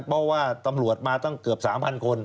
เพราะว่าตำรวจมาตั้งเกือบ๓๐๐คน